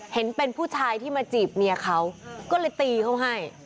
เห็นเป็นผู้ชายที่มาจีบเมียเขาก็เลยตีเขาให้